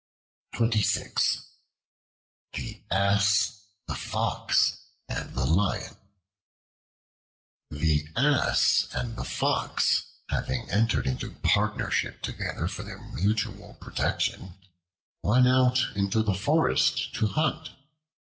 The Ass, the Fox, and the Lion THE ASS and the Fox, having entered into partnership together for their mutual protection, went out into the forest to hunt.